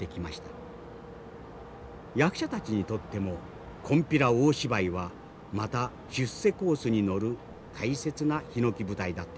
役者たちにとっても金毘羅大芝居はまた出世コースに乗る大切なひのき舞台だったのです。